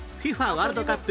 ワールドカップ